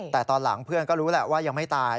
แต่ตอนหลังเพื่อนก็รู้แหละว่ายังไม่ตาย